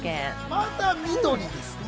まだ緑ですね。